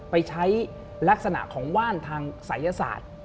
ไปใช้ลักษณะของว่านทางศัยศาสตร์